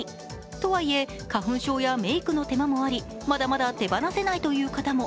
とはいえ、花粉症やメイクの手間もありまだまだ手放せないという方も。